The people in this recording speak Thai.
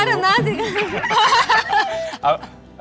เป็นปืนฟ้าทำหน้าจริง